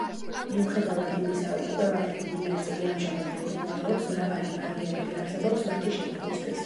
მიუხედავად იმისა, რომ კვლევათა დიდი ნაწილი ამჟამად მიმდინარეობს, მრავალი ბარიერები არსებობს მათი შექმნისთვის.